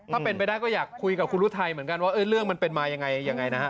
ถ้าเป็นไปได้ก็อยากคุยกับคุณรุทัยเหมือนกันว่าเรื่องมันเป็นมายังไงนะฮะ